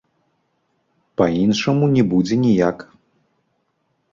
Па-іншаму не будзе ніяк.